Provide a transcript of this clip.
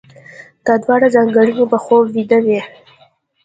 دا دواړه ځانګړنې په خوب ويدې وي.